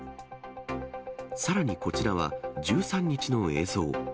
さらにこちらは１３日の映像。